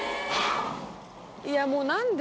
いやもうなんで？